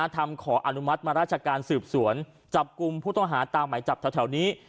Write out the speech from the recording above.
ขออนุมัติมาราชการสืบสวนจับกลุ่มผู้ต้องหาตามหมายจับแถวนี้